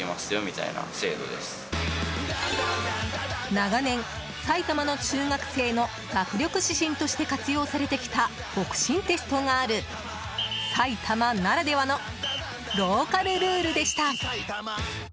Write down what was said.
長年、埼玉の中学生の学力指針として活用されてきた北辰テストがある埼玉ならではのローカルルールでした。